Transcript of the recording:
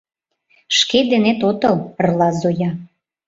Шке денет отыл, — ырла Зоя.